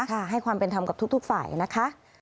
ให้ความเป็นธรรมกับทุกฝ่ายนะคะ